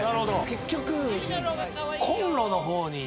結局。